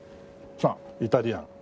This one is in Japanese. さあイタリアン。